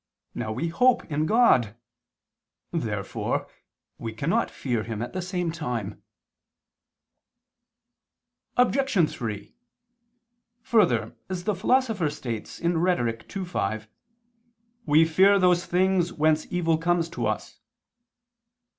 Now we hope in God. Therefore we cannot fear Him at the same time. Obj. 3: Further, as the Philosopher states (Rhet. ii, 5), "we fear those things whence evil comes to us."